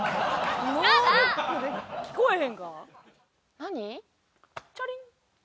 何？